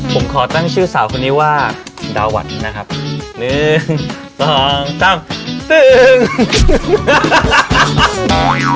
ผมขอตั้งชื่อสาวคนนี้ว่าดาวหวัดนะครับหนึ่งสองสาม